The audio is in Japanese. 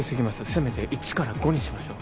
せめて１から５にしましょう。